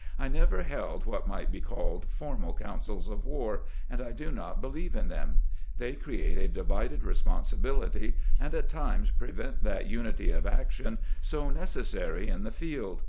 I never held what might be called formal councils of war, and I do not believe in them. They create a divided responsi bility, and at times prevent that unity of action so neces sary in the field.